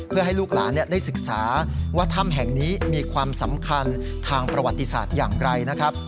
เพื่อให้ลูกหลานได้ศึกษาว่าถ้ำแห่งนี้มีความสำคัญทางประวัติศาสตร์อย่างไรนะครับ